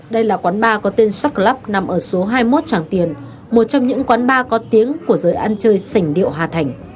đây là quán ba có tên shark club nằm ở số hai mươi một tràng tiền một trong những quán ba có tiếng của giới ăn chơi sảnh điệu hà thành